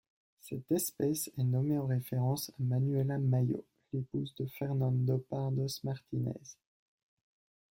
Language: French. Cette espèce est nommée en référence à Manuela Mayo, l'épouse de Fernando Pardos Martínez.